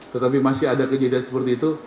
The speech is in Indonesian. tetapi masih ada kejadian seperti itu